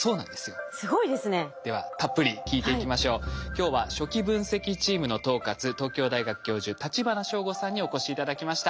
今日は初期分析チームの統括東京大学教授橘省吾さんにお越し頂きました。